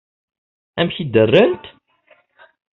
Amek i d-rrant?